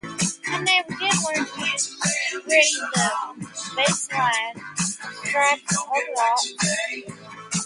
Mr. Buckner taught Sunday School at the Methodist Church.